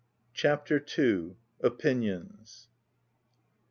19 CHAPTER II. OPINIONS.